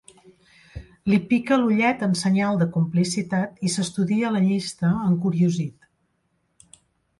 Li pica l'ullet en senyal de complicitat i s'estudia la llista, encuriosit.